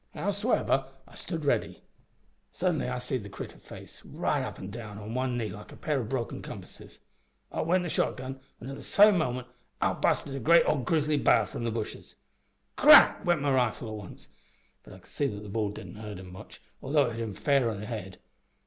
Howsever, I stood ready. Suddenly I seed the critter face right about an' down on one knee like a pair o' broken compasses; up went the shot gun, an' at the same moment out busted a great old grizzly b'ar from the bushes. Crack! went my rifle at once, but I could see that the ball didn't hurt him much, although it hit him fair on the head.